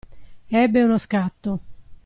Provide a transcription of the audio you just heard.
Ebbe uno scatto.